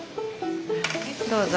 どうぞ。